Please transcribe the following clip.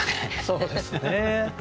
そうですね。